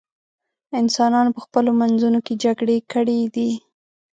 انسانانو په خپلو منځونو کې جګړې کړې دي.